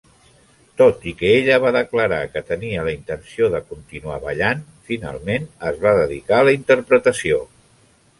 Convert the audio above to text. Tot i que ella va declarar que tenia la intenció de continuar ballant, finalment es va dedicar a la interpretació.